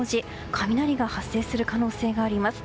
雷が発生する可能性があります。